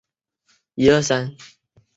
坂之上站指宿枕崎线的铁路车站。